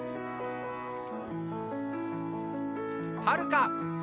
はるか。